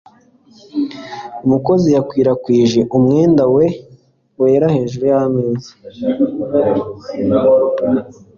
umukozi yakwirakwije umwenda wera hejuru yameza